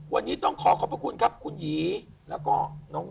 วันนี้ต้องขอขอบพระคุณครับคุณหยีแล้วก็น้อง